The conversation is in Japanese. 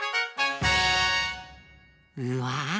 うわ！